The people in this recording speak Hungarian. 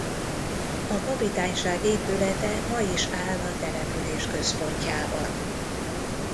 A kapitányság épülete ma is áll a település központjában.